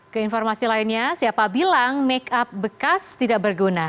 keinformasi lainnya siapa bilang make up bekas tidak berguna